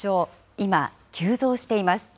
今、急増しています。